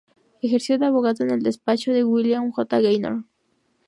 Ejerció de abogado en el despacho de William J. Gaynor.